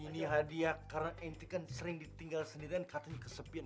ini hadiah karena inti kan sering ditinggal sendirian katanya kesepian